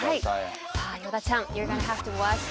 さあ与田ちゃん。